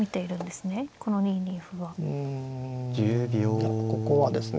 いやここはですね